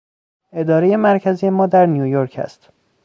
ادارهی مرکزی ما در نیویورک است.